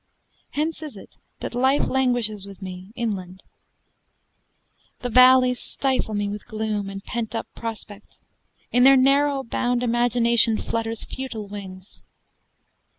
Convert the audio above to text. Hence is it that life languishes with me Inland; the valleys stifle me with gloom And pent up prospect; in their narrow bound Imagination flutters futile wings.